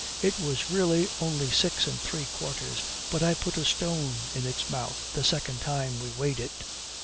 It was really only six and three quarters. I put a stone in its mouth the second time we weighed it!'